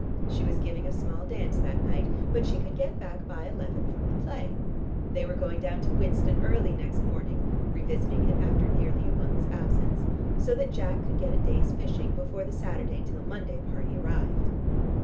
She was giving a small dance that night, but she could get back by eleven from the play. They were going down to Winston early next morning (revisiting it after nearly a month's absence), so that Jack could get a day's fishing before the Saturday till Monday party arrived.